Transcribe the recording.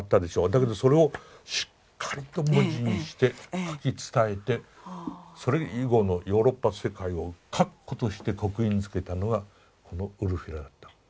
だけどそれをしっかりと文字にして書き伝えてそれ以後のヨーロッパ世界を確固として刻印づけたのはこのウルフィラだったの。